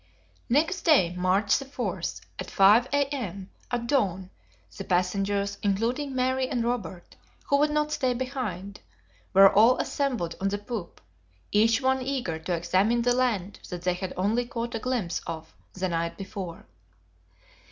Next day, March 4, at 5 A. M., at dawn, the passengers, including Mary and Robert, who would not stay behind, were all assembled on the poop, each one eager to examine the land they had only caught a glimpse of the night before.